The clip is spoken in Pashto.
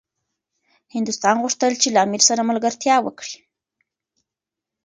هندوستان غوښتل چي له امیر سره ملګرتیا وکړي.